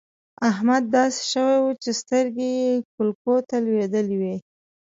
احمد داسې شوی وو چې سترګې يې کولکو ته لوېدلې وې.